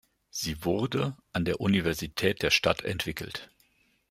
Sie wurde an der Universität der Stadt entwickelt.